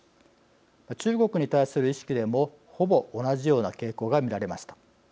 中国に対する意識でもほぼ同じような傾向が見られました。